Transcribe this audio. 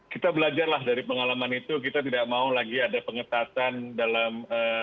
kita belajarlah dari pengalaman itu kita tidak mau lagi ada pengetatan dalam